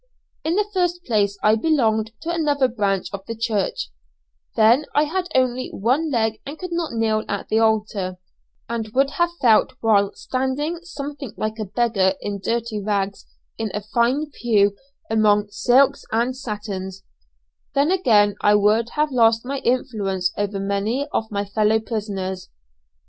In the first place I belonged to another branch of the church; then I had only one leg and could not kneel at the altar, and would have felt while standing something like a beggar in dirty rags in a fine pew among silks and satins; then again I would have lost my influence over many of my fellow prisoners.